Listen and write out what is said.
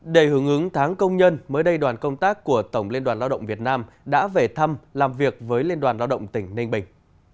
để hướng ứng tháng công nhân mới đây đoàn công tác của tổng liên đoàn lao động việt nam đã về thăm làm việc với liên đoàn lao động tỉnh ninh bình